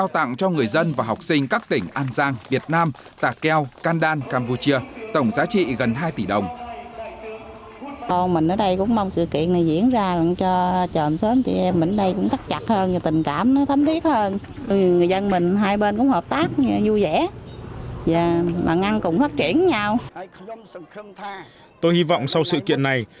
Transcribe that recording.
tôi hy vọng sau sự kiện này